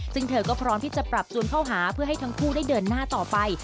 ซึ่งเธอก็พร้อมที่จะปรับจูนเข้าหาเพื่อให้ทั้งคู่ได้เดินหน้าต่อไป